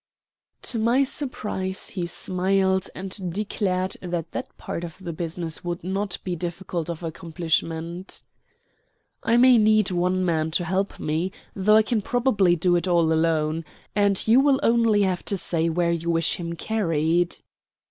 To my surprise he smiled and declared that that part of the business would not be difficult of accomplishment. "I may need one man to help me, though I can probably do it all alone; and you will only have to say where you wish him carried."